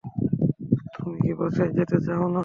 তুমি কি বাসায় যেতে চাও না?